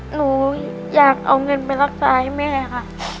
หนูอยากเอาเงินไปรักษาให้แม่ค่ะ